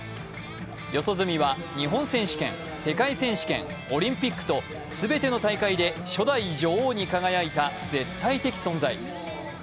四十住は日本選手権世界選手権、オリンピックと全ての大会で初代女王に輝いた絶対的存在。